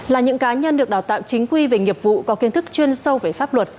là những cá nhân được đào tạo chính quy về nghiệp vụ có kiến thức chuyên sâu về pháp luật